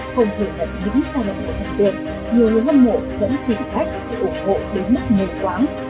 không thể nhận những sai lầm của thần tượng nhiều người hâm mộ vẫn tìm cách để ủng hộ đến mức ngu quáng